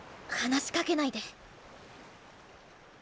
話しかけないで。